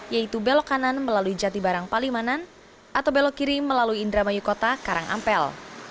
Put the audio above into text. yaitu belok kanan melalui jatibarang palimanan atau belok kiri melalui indramayu kota karang ampel